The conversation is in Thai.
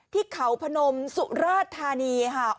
ที่เขาพนมสุราธานีค่ะ